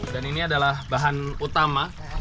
dan ini adalah bahan utama